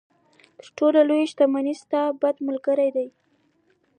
تر ټولو لوی دښمن ستا بد ملګری دی.